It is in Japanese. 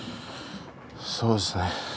そうですね。